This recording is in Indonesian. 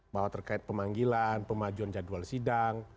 bahwa terkait pemanggilan pemajuan jadwal sidang